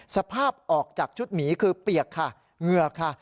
สภาพออกจากชุดหมีคือเปียกค่ะเหงือกค่ะ